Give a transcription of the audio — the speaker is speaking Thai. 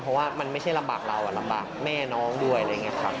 เพราะว่ามันไม่ใช่ลำบากเราลำบากแม่น้องด้วยอะไรอย่างนี้ครับ